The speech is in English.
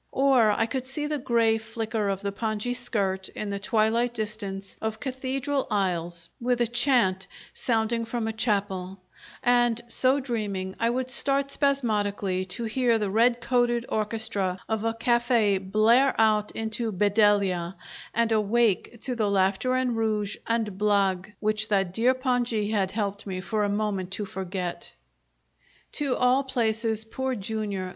Or I could see the grey flicker of the pongee skirt in the twilight distance of cathedral aisles with a chant sounding from a chapel; and, so dreaming, I would start spasmodically, to hear the red coated orchestra of a cafe' blare out into "Bedelia," and awake to the laughter and rouge and blague which that dear pongee had helped me for a moment to forget! To all places, Poor Jr.